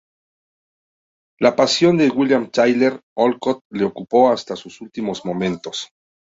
La pasión de William Tyler Olcott le ocupó hasta sus últimos momentos.